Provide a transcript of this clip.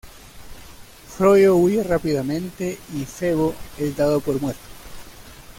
Frollo huye rápidamente y Febo es dado por muerto.